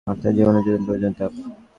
অর্থাৎ, জীবনের জন্য প্রয়োজনীয় তাপ।